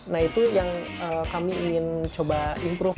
nah itu yang kami ingin coba improve